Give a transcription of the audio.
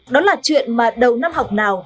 đó là chuyện mà đầu năm học nào